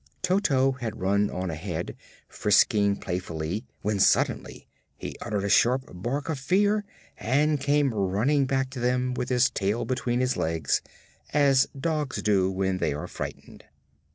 Toto had run on ahead, frisking playfully, when suddenly he uttered a sharp bark of fear and came running back to them with his tail between his legs, as dogs do when they are frightened.